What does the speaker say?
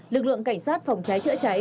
lực lượng cảnh sát phòng cháy chữa cháy